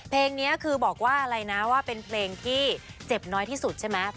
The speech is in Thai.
เพลงนี้คือบอกว่าอะไรนะว่าเป็นเพลงที่เจ็บน้อยที่สุดใช่ไหม